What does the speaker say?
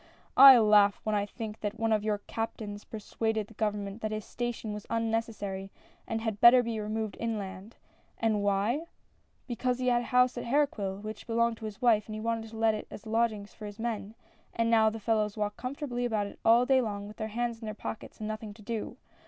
" I laugh when I think that one of your captains persuaded the government that this station was unne cessary, and had better be removed inland. And why ?— "Because he had a house at Herqueville, which belonged to his wife, and he wanted to let it as lodg ings for his men, and now the fellows walk comfortably about all day long, with their hands in their pockets, and nothing to do